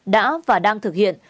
đã và đang thực hiện